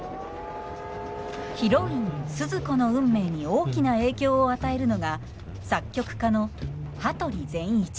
ヒロインスズ子の運命に大きな影響を与えるのが作曲家の羽鳥善一。